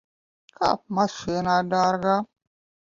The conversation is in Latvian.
Kāp mašīnā, dārgā.